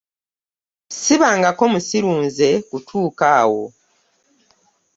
Ssibangako mussiru nze kutuuka awo.